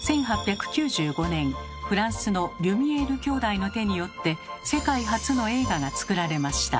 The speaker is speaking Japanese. １８９５年フランスのリュミエール兄弟の手によって世界初の映画が作られました。